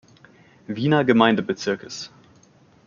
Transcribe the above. Wiener Gemeindebezirkes.